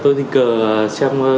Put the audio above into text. tôi thích cờ xem